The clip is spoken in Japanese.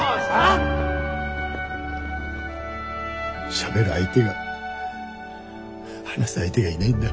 しゃべる相手が話す相手がいないんだ。